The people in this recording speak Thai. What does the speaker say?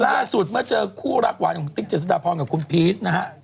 ล่าสุดเมื่อเจอคู่รักหวานของติ๊กเจษฎาพรกับคุณพีชนะฮะ